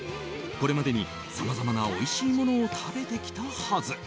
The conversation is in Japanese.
これまでに、さまざまなおいしいものを食べてきたはず。